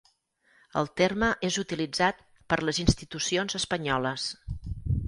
El terme és utilitzat per les institucions espanyoles.